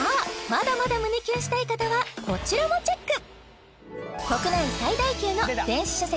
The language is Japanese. まだまだ胸キュンしたい方はこちらもチェック！